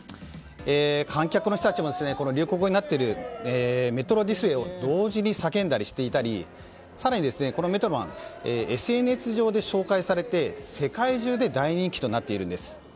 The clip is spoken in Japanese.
観客の人たちも流行語になっているメトロディスウェイを同時に叫んだりしていたりこのメトロマンＳＮＳ上で紹介されて世界中で大人気となっているんです。